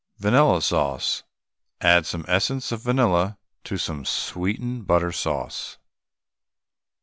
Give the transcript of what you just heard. VANILLA SAUCE. Add some essence of vanilla to some sweetened butter sauce.